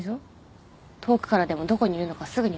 遠くからでもどこにいるのかすぐに分かる。